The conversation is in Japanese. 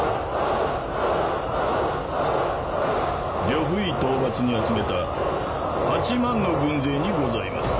呂不韋討伐に集めた８万の軍勢にございます。